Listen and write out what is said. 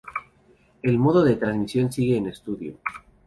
El modo de transmisión sigue en estudio.